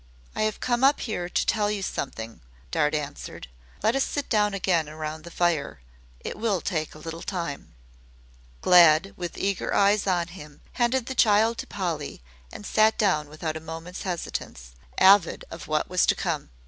"I have come up here to tell you something," Dart answered. "Let us sit down again round the fire. It will take a little time." Glad with eager eyes on him handed the child to Polly and sat down without a moment's hesitance, avid of what was to come.